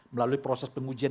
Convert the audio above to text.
melalui proses pengujian